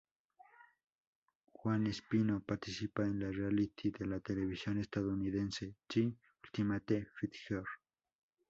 Juan Espino participa en el reality de la televisión estadounidense The Ultimate Fighter.